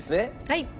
はい。